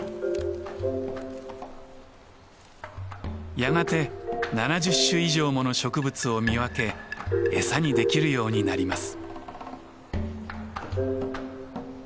やがて７０種以上もの植物を見分け餌にできるようになります。